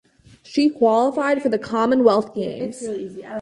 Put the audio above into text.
She qualified for the Commonwealth Games.